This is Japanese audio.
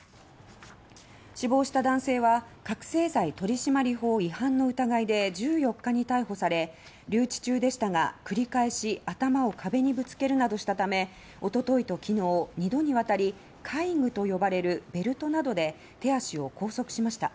死亡した男性は覚せい剤取締法違反の疑いで１４日に逮捕され留置中でしたが繰り返し頭を壁にぶつけるなどしたためおとといと昨日の２度にわたり戒具と呼ばれるベルトなどで手足を拘束しました。